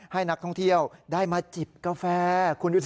ให้นักท่องเที่ยวได้มาจิบกาแฟคุณดูสิ